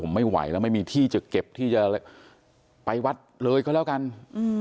ไม่ไหวแล้วไม่มีที่จะเก็บที่จะไปวัดเลยก็แล้วกันอืม